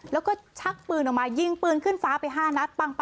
แล้วก็ชักปืนออกมายิงปืนขึ้นฟ้าไป๕นัด